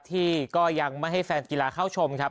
ที่ก็ยังไม่ให้แฟนกีฬาเข้าชมครับ